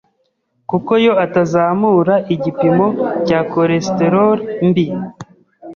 kuko yo atazamura igipimo cya cholesterol mbi